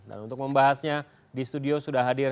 dan untuk membahasnya di studio sudah hadir